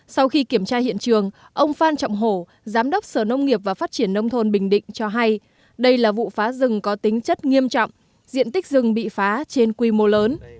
sau khi kiểm tra hiện trường ông phan trọng hổ giám đốc sở nông nghiệp và phát triển nông thôn bình định cho hay đây là vụ phá rừng có tính chất nghiêm trọng diện tích rừng bị phá trên quy mô lớn